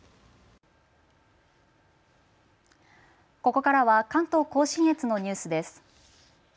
ここからは関東甲信越のニュースです。